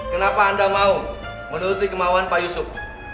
kenapa anda mau menuruti kemauan pak yusuf